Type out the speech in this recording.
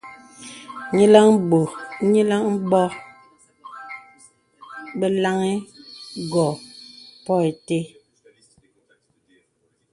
Nīləŋ bǒ bə laŋhi gô pô itə.